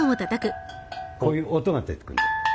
こういう音が出てくる。